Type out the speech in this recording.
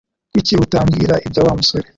Kuki utambwira ibya Wa musore?